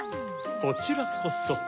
こちらこそ。